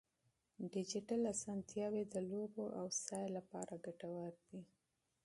ډیجیټل وسایل د لوبو او تفریح لپاره ګټور دي.